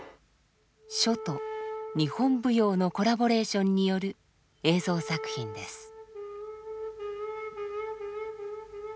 書と日本舞踊のコラボレーションによる映像作品です。